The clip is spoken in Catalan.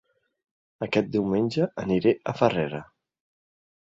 Aquest diumenge aniré a Farrera